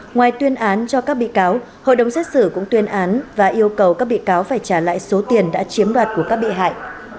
ngoài tuyên án cho các bị cáo hội đồng xét xử cũng tuyên án và yêu cầu các bị cáo phải trả lại số tiền đã chiếm đoạt của các bị hại